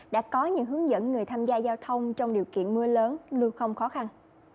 đã có những hướng dẫn người tham gia giao thông trong điều kiện mưa lớn lưu không khó khăn